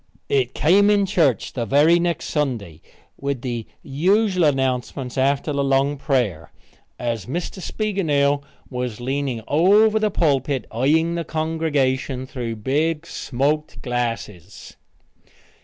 It came in church the very next Sunday, with the usual announcements after the long prayer, as Mr. Spiegelnail was leaning over the pulpit eying the congregation through big smoked glasses.